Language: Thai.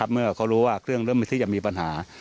เมื่อเขารู้ว่าเครื่องเริ่มที่จะมีปัญหา